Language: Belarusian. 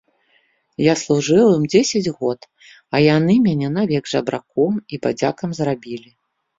Я служыў ім дзесяць год, а яны мяне навек жабраком і бадзякам зрабілі.